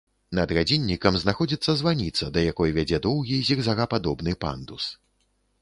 Над гадзіннікам знаходзіцца званіца, да якой вядзе доўгі зігзагападобны пандус.